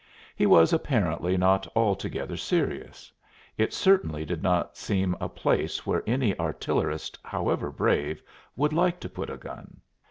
He was apparently not altogether serious; it certainly did not seem a place where any artillerist, however brave, would like to put a gun.